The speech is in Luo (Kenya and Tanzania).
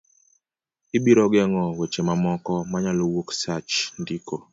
Ibiro geng'o weche mamoko ma nyalo wuok sach ndiko